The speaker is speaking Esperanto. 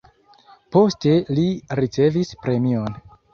Poste li ricevis premion.